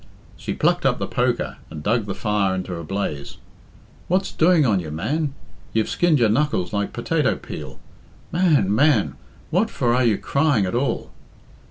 She plucked up the poker, and dug the fire into a blaze. "What's doing on you, man? You've skinned your knuckles like potato peel. Man, man, what for are you crying, at all?"